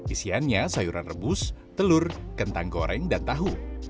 isiannya sayuran rebus telur kentang goreng dan tahu